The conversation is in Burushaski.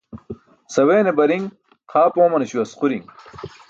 Saweene bari̇ṅ xaap oomanaśo asquri̇ṅ.